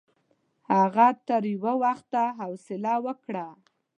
هغه تر یوه وخته حوصله وکړه.